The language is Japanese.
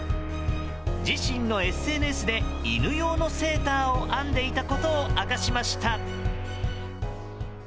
自身のＳＮＳで犬用のセーターを編んでいたことを明かしました。